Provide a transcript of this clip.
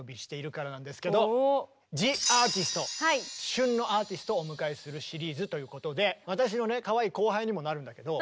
旬のアーティストをお迎えするシリーズということで私のねかわいい後輩にもなるんだけど。